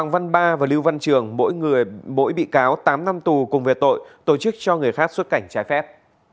và lưu văn trường mỗi bị cáo tám năm tù cùng về tội tổ chức cho người khác xuất cảnh trái phép